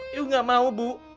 ibu nggak mau bu